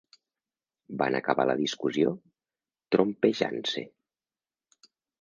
Van acabar la discussió trompejant-se.